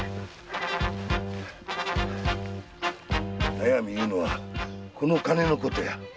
悩みというのはこの金のことや。